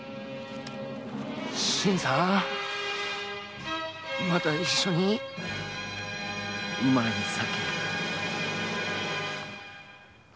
新さんまた一緒にうまい酒を。